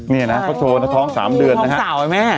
นี่อ่ะนะเค้าโชว์นะท้องสามเดือนนะฮะท้องสาวไอ้แม่